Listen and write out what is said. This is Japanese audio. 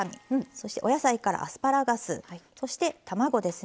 そしてお野菜からアスパラガスそして卵ですね。